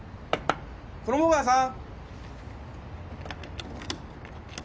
衣川さん？